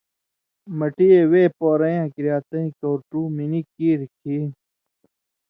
مٹی وے پورئن٘یاں کریا تَیں کؤرٹُو منی کیریۡ کھیں